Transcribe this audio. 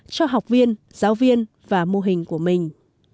cho học viên giáo viên và mô hình của mình